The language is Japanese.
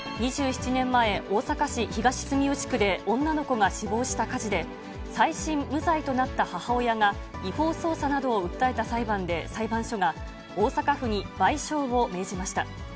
２７年前、大阪市東住吉区で女の子が死亡した火事で、再審・無罪となった母親が違法捜査などを訴えた裁判で、裁判所が大阪府に賠償を命じました。